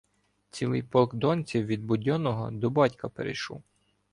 Цілий полк донців від Будьонного до батька перейшов.